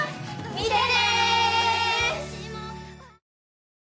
見てね！